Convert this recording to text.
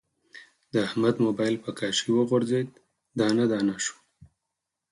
د احمد مبایل په کاشي و غورځید، دانه دانه شو.